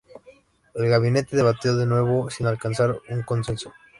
El gabinete debatió de nuevo sin alcanzar un consenso.